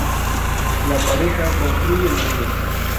La pareja construye el nido.